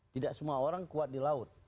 tidak semua orang kuat di laut